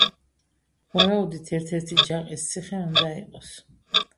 ვარაუდით ერთ-ერთი ჯაყის ციხე უნდა იყოს.